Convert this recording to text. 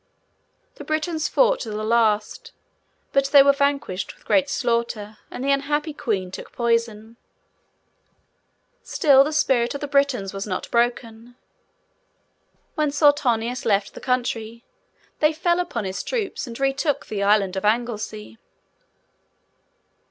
The Britons fought to the last; but they were vanquished with great slaughter, and the unhappy queen took poison. Still, the spirit of the Britons was not broken. When Suetonius left the country, they fell upon his troops, and retook the Island of Anglesey.